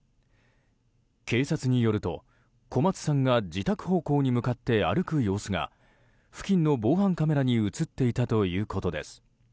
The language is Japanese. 警察によると、小松さんが自宅方向に向かって歩く様子が付近の防犯カメラに映っていたということです。